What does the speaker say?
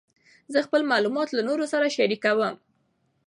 زه خپل معلومات له نورو سره شریکوم.